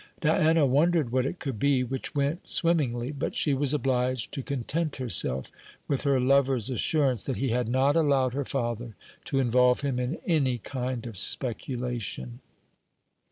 Diana wondered what it could be which went swimmingly; but she was obliged to content herself with her lover's assurance that he had not allowed her father to involve him in any kind of speculation.